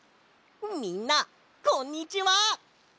みんなこんにちは。